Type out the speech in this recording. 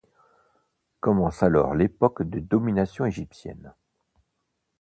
Commence alors l'époque de domination égyptienne.